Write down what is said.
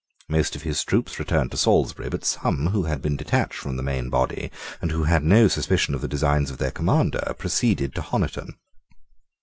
Most of his troops returned to Salisbury but some who had been detached from the main body, and who had no suspicion of the designs of their commander, proceeded to Honiton.